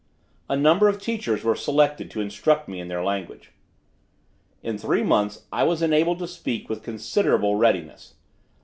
A number of teachers were selected to instruct me in their language. In three months I was enabled to speak with considerable readiness.